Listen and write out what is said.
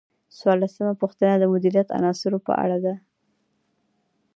څوارلسمه پوښتنه د مدیریت د عناصرو په اړه ده.